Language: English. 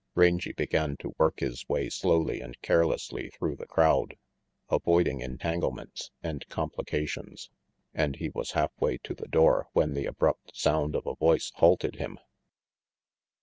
Rangy began to work his way slowly and carelessly through the crowd, avoiding entanglements and complications; and he was half way to the door when the abrupt sound of a voice halted him.